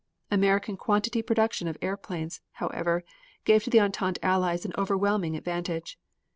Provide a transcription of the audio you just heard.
American quantity production of airplanes, however, gave to the Entente Allies an overwhelming advantage.